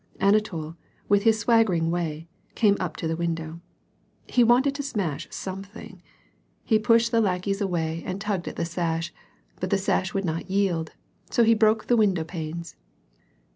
Anatol, with his swaggering way, came up to the window. He wanted to smash something. He pushed the lackeys away 36 W^^^ AND PEACE. aod tugged at the sash, but the sash would not yield, so he broke the window panes.